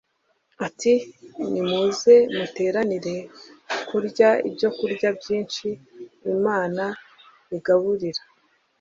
ati “Nimuze muteranire kurya ibyokurya byinshi Imana ibagaburira,